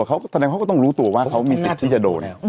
เขาแสดงเขาก็ต้องรู้ตัวว่าเขามีสิทธิ์ที่จะโดน